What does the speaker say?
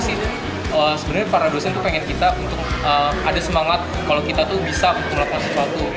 sebenarnya para dosen tuh pengen kita untuk ada semangat kalau kita tuh bisa untuk melakukan sesuatu